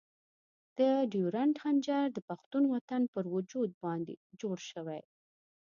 د ډیورنډ خنجر د پښتون وطن پر وجود باندې جوړ شوی.